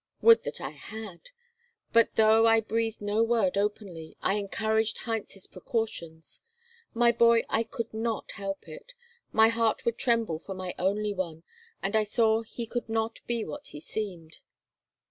"Would that I had; but though I breathed no word openly, I encouraged Heinz's precautions. My boy, I could not help it; my heart would tremble for my only one, and I saw he could not be what he seemed."